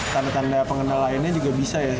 tanda tanda pengenal lainnya juga bisa ya